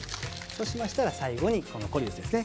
そうしましたら最後にコリウスですね。